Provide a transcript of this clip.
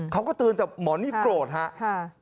เขาก็เตือนแต่หมอนี่โกรธครับ